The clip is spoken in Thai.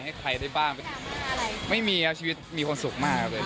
ให้ใครได้บ้างไม่มีครับชีวิตมีความสุขมากเลย